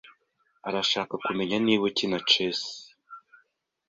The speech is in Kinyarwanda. Arashaka kumenya niba ukina chess.